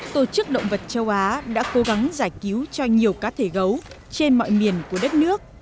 tổ chức động vật châu á đã cố gắng giải cứu cho nhiều cá thể gấu trên mọi miền của đất nước